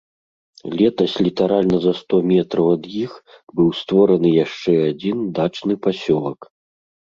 Летась літаральна за сто метраў ад іх быў створаны яшчэ адзін дачны пасёлак.